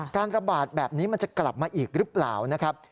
การระบาดแบบนี้มันจะกลับมาอีกหรือเปล่านะครับ